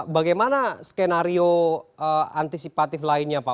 bagaimana skenario antisipatif lainnya pak